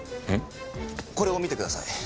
これを見てください。